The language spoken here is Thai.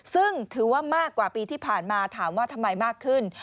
ซึ่งถือว่ามากกว่าปีที่ผ่านมาถามว่าทำไมมากขึ้น